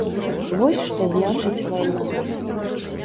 Вось што значыць вайна.